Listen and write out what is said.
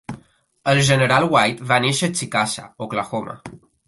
El general White va néixer a Chickasha, Oklahoma.